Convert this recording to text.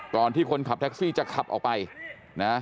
ที่คนขับแท็กซี่จะขับออกไปนะ